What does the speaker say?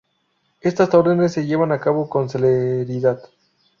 Estas órdenes se llevan a cabo con celeridad.